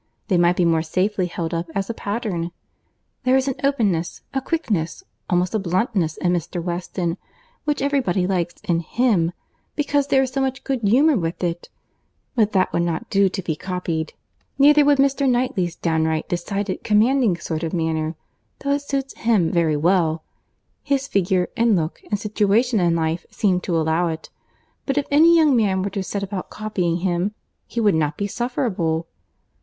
They might be more safely held up as a pattern. There is an openness, a quickness, almost a bluntness in Mr. Weston, which every body likes in him, because there is so much good humour with it—but that would not do to be copied. Neither would Mr. Knightley's downright, decided, commanding sort of manner, though it suits him very well; his figure, and look, and situation in life seem to allow it; but if any young man were to set about copying him, he would not be sufferable.